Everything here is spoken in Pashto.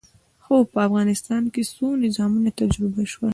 خو په افغانستان کې څو نظامونه تجربه شول.